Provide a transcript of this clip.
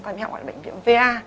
tài mỹ họng gọi là bệnh viện va